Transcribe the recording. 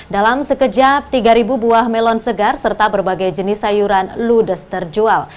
dalam sekejap tiga buah melon segar serta berbagai jenis sayuran ludes terjual